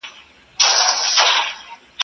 پر سوځېدلو ونو.